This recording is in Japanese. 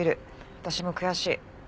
私も悔しい。